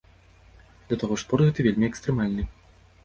Да таго ж спорт гэты вельмі экстрэмальны.